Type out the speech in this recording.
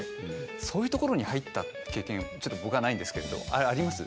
そういうところに入った経験ちょっと僕はないんですけれどあります？